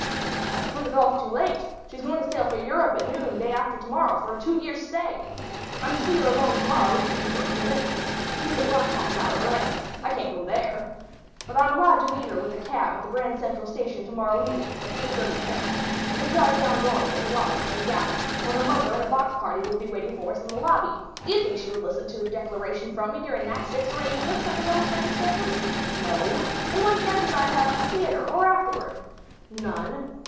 "I've put it off too late. She's going to sail for Europe at noon day after to morrow for a two years' stay. I'm to see her alone to morrow evening for a few minutes. She's at Larchmont now at her aunt's. I can't go there. But I'm allowed to meet her with a cab at the Grand Central Station to morrow evening at the 8.30 train. We drive down Broadway to Wallack's at a gallop, where her mother and a box party will be waiting for us in the lobby. Do you think she would listen to a declaration from me during that six or eight minutes under those circumstances? No. And what chance would I have in the theatre or afterward? None.